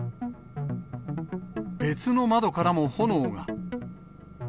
別の窓からも炎が。